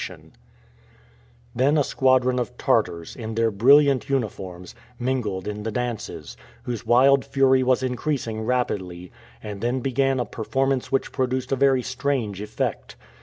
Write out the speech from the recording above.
Then a squadron of Tartars, in their brilliant uniforms, mingled in the dances, whose wild fury was increasing rapidly, and then began a performance which produced a very strange effect.